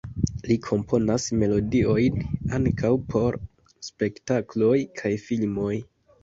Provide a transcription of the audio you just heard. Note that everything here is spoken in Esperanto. Li komponas melodiojn ankaŭ por spektakloj kaj filmoj.